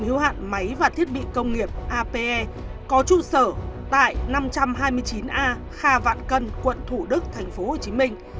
hữu hạn máy và thiết bị công nghiệp ape có trụ sở tại năm trăm hai mươi chín a kha vạn cân quận thủ đức thành phố hồ chí minh